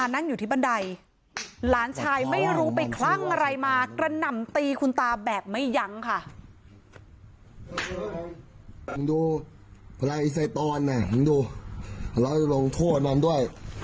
นี่ดูเราจะลงโทษนั้นด้วย